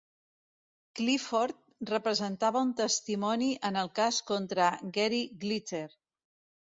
Clifford representava un testimoni en el cas contra Gary Glitter.